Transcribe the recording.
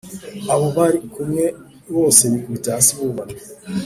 abo bari kumwe bose bikubita hasi bubamye